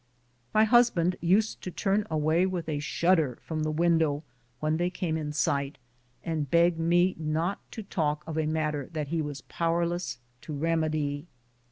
My husband used to turn away with a shudder from the window when they came in sight, and beg me not to talk of a matter that he was powerless to remedy.